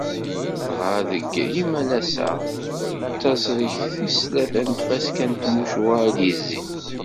Dɣa deg yimalas-a, d taẓrigt tis tlata n tfaska n tmucuha i d-yezzin.